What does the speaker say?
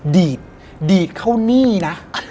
ดีดเดีดเข้านี่นะ